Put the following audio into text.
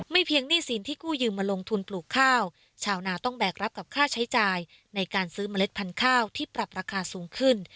เพียงหนี้สินที่กู้ยืมมาลงทุนปลูกข้าวชาวนาต้องแบกรับกับค่าใช้จ่ายในการซื้อเมล็ดพันธุ์ข้าวที่ปรับราคาสูงขึ้น